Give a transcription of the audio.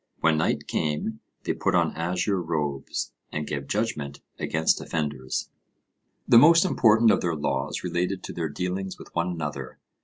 When night came, they put on azure robes and gave judgment against offenders. The most important of their laws related to their dealings with one another.